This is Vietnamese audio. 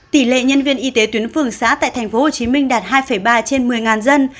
tỷ lệ nhân viên y tế tuyến phường xã tại tp hcm đạt hai ba trên một mươi dân